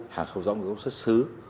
hàng không gió nguồn gốc xuất xứ